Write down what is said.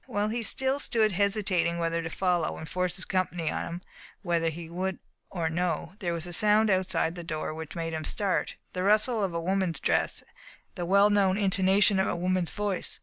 While he still stood hesitating whether to fol low and force his company on him whether he would or no, there was a sound outside the door which made him start — the rustle of a woman's dress, the well known intonation of a woman's voice.